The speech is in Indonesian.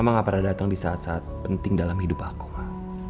mama gak pernah dateng di saat saat penting dalam hidup aku ma